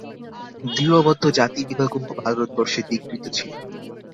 দৃঢ়বদ্ধ জাতিবিভাগও ভারতবর্ষে ধিক্কৃত ছিল।